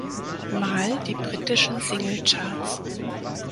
Mal die britischen Singlecharts.